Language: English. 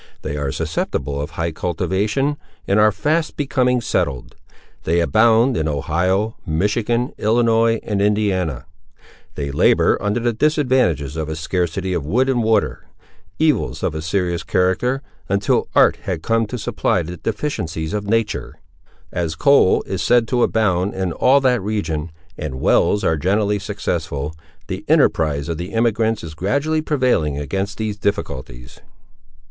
They are susceptible of high cultivation, and are fast becoming settled. They abound in Ohio, Michigan, Illinois, and Indiana. They labour under the disadvantages of a scarcity of wood and water,—evils of a serious character, until art has had time to supply the deficiencies of nature. As coal is said to abound in all that region, and wells are generally successful, the enterprise of the emigrants is gradually prevailing against these difficulties.